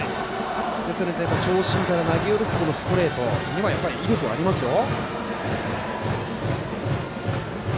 ですので、長身から投げ下ろすストレートには威力はありますよ。